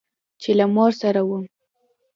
چې له مور سره وم.